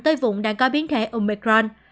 tới vùng đang có biến thể omicron